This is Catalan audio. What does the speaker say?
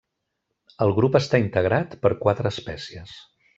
El grup està integrat per quatre espècies.